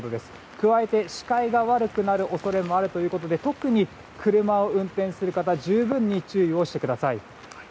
加えて、視界が悪くなる恐れもあるということで特に車を運転する方十分に注意をしてください。